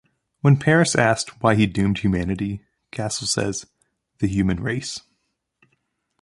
When Paris asked why he doomed humanity, Castle says, The human race.